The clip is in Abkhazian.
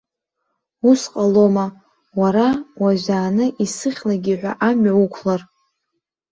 Ус ҟалома, уара, уажәааны, исыхьлакгьы ҳәа амҩа уқәлар?